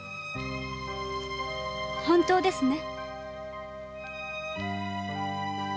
本当ですね？